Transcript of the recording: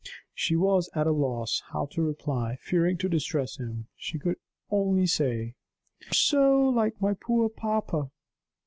She was at a loss how to reply, fearing to distress him. She could only say: "You are so like my poor papa."